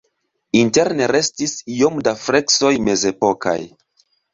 Interne restis iom da freskoj mezepokaj.